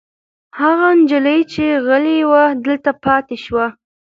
هغه نجلۍ چې غلې وه دلته پاتې شوه.